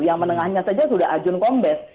yang menengahnya saja sudah ajun kombes